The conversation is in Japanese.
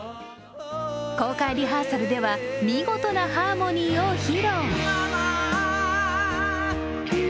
公開リハーサルでは、見事なハーモニーを披露。